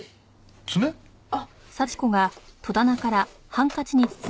爪？あっ。